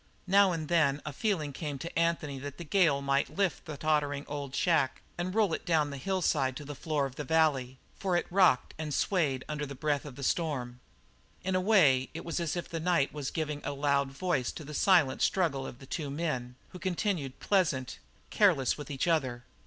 Now and then a feeling came to Anthony that the gale might lift the tottering old shack and roll it on down the hillside to the floor of the valley, for it rocked and swayed under the breath of the storm. In a way it was as if the night was giving a loud voice to the silent struggle of the two men, who continued pleasant, careless with each other.